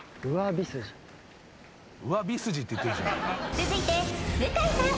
続いて向井さん